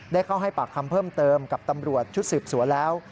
ได้เข้าให้ปากคำเพิ่มเติมกับตำรวจชุดสืบสวนแล้ว